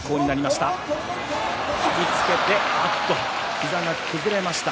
膝が崩れました。